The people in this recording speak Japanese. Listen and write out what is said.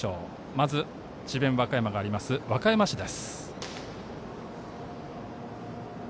まず智弁和歌山があります和歌山市です。